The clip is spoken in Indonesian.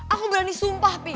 aku berani sumpah pi